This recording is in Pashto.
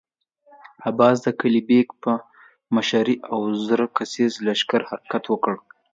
د عباس قلي بېګ په مشری اووه زره کسيز لښکر حرکت وکړ.